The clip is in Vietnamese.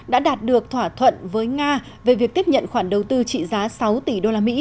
đã đạt được thỏa thuận với nga về việc tiếp nhận khoản đầu tư trị giá sáu tỷ usd